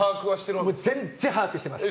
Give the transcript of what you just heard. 全然把握してます。